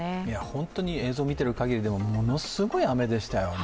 本当に映像を見ているかぎりでもものすごい雨でしたよね。